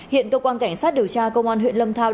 hiện cơ quan cảnh sát điều tra công an huyện lâm thao